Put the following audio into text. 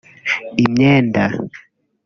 imyenda